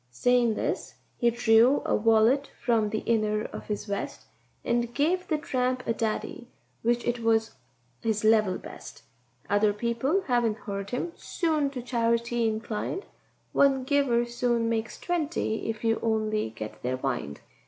Sayin' this he drew a wallet from the inner of his vest, And gave the tramp a daddy, which it was his level best; Other people havin' heard him soon to charity inclined— One giver soon makes twenty if you only get their wind.